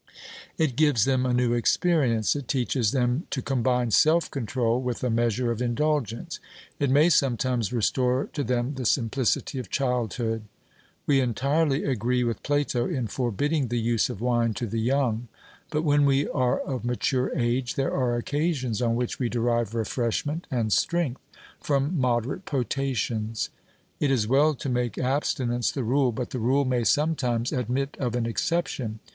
It gives them a new experience; it teaches them to combine self control with a measure of indulgence; it may sometimes restore to them the simplicity of childhood. We entirely agree with Plato in forbidding the use of wine to the young; but when we are of mature age there are occasions on which we derive refreshment and strength from moderate potations. It is well to make abstinence the rule, but the rule may sometimes admit of an exception.